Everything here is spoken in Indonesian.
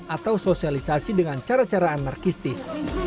atau sosialisasi dengan cara cara anarkistis